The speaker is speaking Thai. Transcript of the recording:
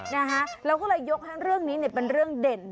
นะฮะเราก็เลยยกให้เรื่องนี้เนี่ยเป็นเรื่องเด่น